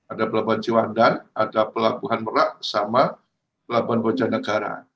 ada pelabuhan ciwandan ada pelabuhan merak sama pelabuhan bojanegara